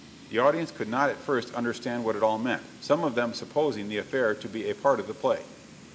The audience could not at first understand what it all meant, some of them supposing the affair to be a part of the play.